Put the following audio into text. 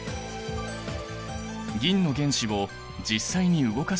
銀の原子を実際に動かしてみる。